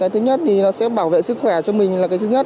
thứ nhất thì nó sẽ bảo vệ sức khỏe cho mình là cái thứ nhất